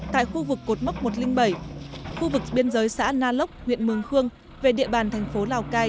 tại khu vực cột mốc một trăm linh bảy khu vực biên giới xã na lốc huyện mường khương về địa bàn thành phố lào cai